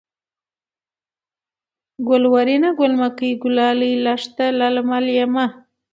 گلورينه ، گل مکۍ ، گلالۍ ، لښته ، للمه ، لېمه